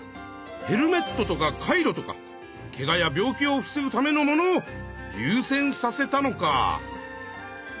ヘルメットとかカイロとかけがや病気を防ぐためのものをゆう先させたのか。